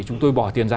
chúng tôi bỏ tiền ra